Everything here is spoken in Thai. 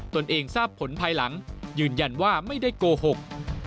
ตนเองทราบผลภายหลังยืนยันว่าไม่ได้โกหก